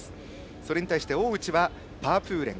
それに対して、大内はパープーレン。